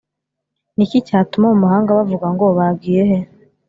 Ni iki cyatuma mu mahanga bavuga ngo: bagiyehe